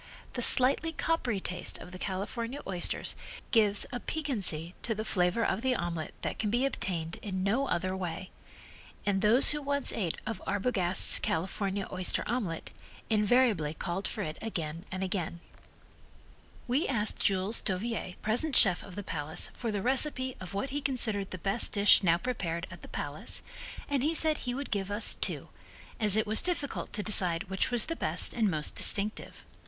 The slightly coppery taste of the California oysters gives a piquancy to the flavor of the omelet that can be obtained in no other way, and those who once ate of Arbogast's California oyster omelet, invariably called for it again and again. We asked Jules Dauviller, the present chef of the Palace, for the recipe of what he considered the best dish now prepared at the Palace and he said he would give us two, as it was difficult to decide which was the best and most distinctive.